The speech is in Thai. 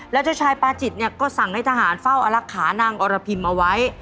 แล้วเจ้าชายปาจิตเนี่ยก็สั่งให้ทหารเฝ้าอลักขานางอรพิมเอาไว้